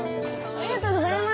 ありがとうございます！